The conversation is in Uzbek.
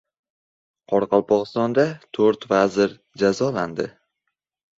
Qoraqalpog‘istonda to‘rt vazir jazolandi